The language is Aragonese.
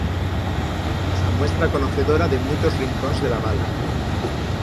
S'amuestra conocedora de muitos rincons de la val.